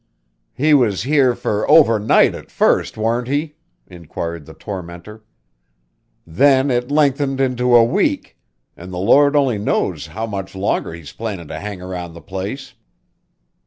"He was here fur over night at first, warn't he?" inquired the tormentor. "Then it lengthened into a week; an' the Lord only knows now how much longer he's plannin' to hang round the place.